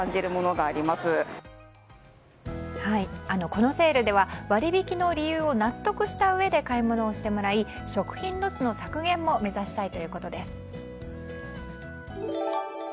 このセールでは割引の理由を納得したうえで買い物をしてもらい食品ロスの削減も目指したいということです。